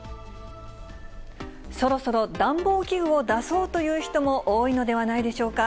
そろそろ暖房器具を出そうという人も多いのではないでしょうか。